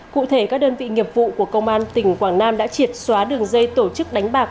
cụ thể các đơn vị nghiệp vụ của công an tỉnh quảng nam đã triệt xóa đường dây tổ chức đánh bạc